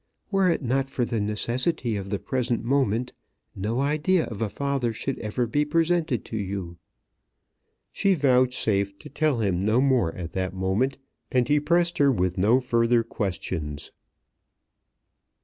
Were it not for the necessity of the present moment, no idea of a father should ever be presented to you." She vouchsafed to tell him no more at that moment, and he pressed her with no further questions.